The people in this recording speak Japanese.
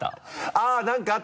あっ何かあった！